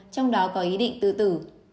trong đó có ý định tự tử